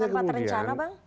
ya makanya kemudian